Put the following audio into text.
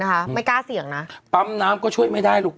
ไม่กล้าเสี่ยงนะปั๊มน้ำก็ช่วยไม่ได้ลูก